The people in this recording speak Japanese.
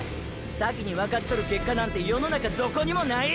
先にわかっとる結果なんて世の中どこにもない！！